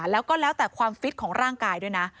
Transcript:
แล้วก็แล้วแต่ความฟิตของร่างกายด้วยนะ